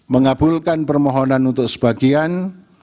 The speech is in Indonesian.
mengabulkan permohonan untuk sebagian